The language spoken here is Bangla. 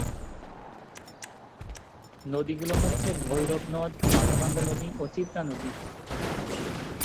নদীগুলো হচ্ছে ভৈরব নদ, মাথাভাঙ্গা নদী ও চিত্রা নদী।